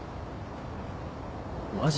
マジ？